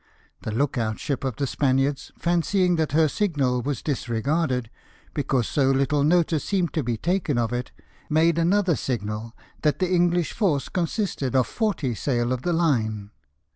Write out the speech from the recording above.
The look out ship of the Spaniards, fancy ing that her signal was disregarded, because so Httle notice seemed to be taken of it, made another signal that the English force consisted of forty sail of the BATTLE OF CAPE ST. VINCENT. 105 line.